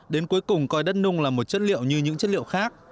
đến cuối cùng coi đất nung là một chất liệu như những chất liệu khác